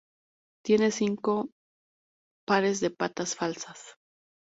Tienen cinco pares de patas falsas.